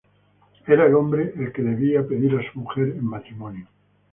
Era el hombre el que debía pedir a su mujer en matrimonio.